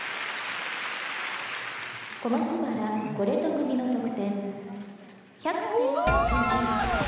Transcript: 「小松原コレト組の得点１００．８２」